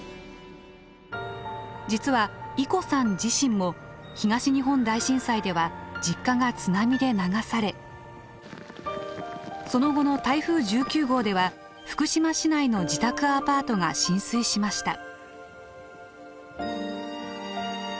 実はｉｃｏさん自身も東日本大震災では実家が津波で流されその後の台風１９号では福島市内の自宅アパートが浸水しました。